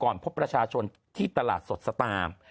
พบประชาชนที่ตลาดสดสตาง